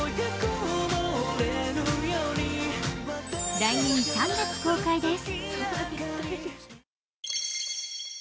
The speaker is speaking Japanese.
来年３月公開です。